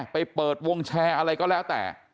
ไปเปิดวงแชร์อะไรก็แล้วแต่